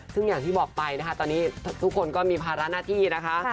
ซึ่งอย่างที่บอกไปนะคะตอนนี้ทุกคนก็มีภาระหน้าที่นะคะ